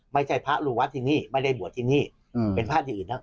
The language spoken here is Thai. ไม่ใช่พระลูกวัดที่นี่ไม่ได้บวชที่นี่เป็นพระที่อื่นนะ